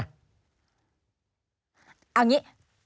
เอาอย่างนี้